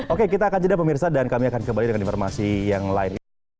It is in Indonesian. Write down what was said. oke kita akan jeda pemirsa dan kami akan kembali dengan informasi yang lain